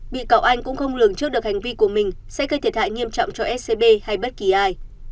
bị cáo anh cũng không lường trước được hành vi của mình sẽ gây thiệt hại nghiêm trọng cho scb hay bất kỳ ai